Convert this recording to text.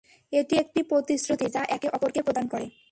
এটি একটি প্রতিশ্রুতি, যা একে অপরকে প্রদান করে।